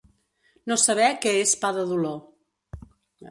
No saber què és pa de dolor.